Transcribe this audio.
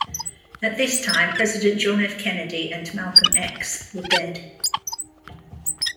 At this time, President John F. Kennedy and Malcolm X were dead.